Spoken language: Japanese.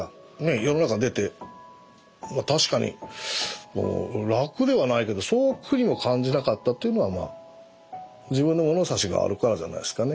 世の中へ出て確かに楽ではないけどそう苦にも感じなかったというのは自分の物差しがあるからじゃないですかね。